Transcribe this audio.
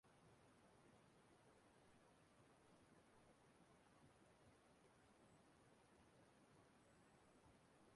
Iyabo Obasanjo-Bello ekweghi inyeghachi ego ya, nde Naira iri.